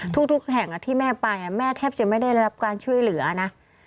ทุกแห่งที่แม่ไปแม่แทบจะไม่ได้รับการช่วยเหลือนะ